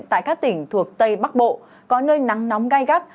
tại các tỉnh thuộc tây bắc bộ có nơi nắng nóng gai gắt